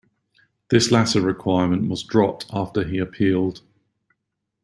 This latter requirement was dropped after he appealed.